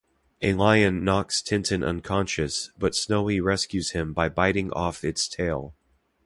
A lion knocks Tintin unconscious, but Snowy rescues him by biting off its tail.